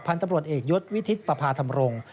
พันธุ์ตำรวจเอกยศวิทธิปภาธรรมรงค์